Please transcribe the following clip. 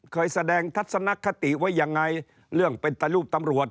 เคยแสดงทัศนคติไว้ยังไงเรื่องเป็นตะรูปตำรวจ